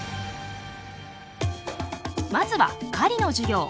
まずは狩りの授業。